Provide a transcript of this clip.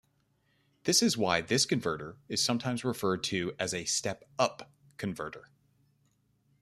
This is why this converter is sometimes referred to as a step-"up" converter.